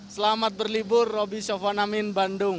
selamat berlibur roby sofwanamin bandung